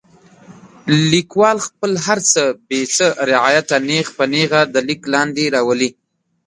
لیکوال خپل هر څه بې څه رعایته نیغ په نیغه د لیک لاندې راولي.